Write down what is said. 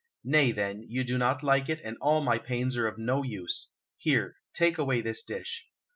Nay, then, you do not like it, and all my pains are of no use. Here, take away this dish."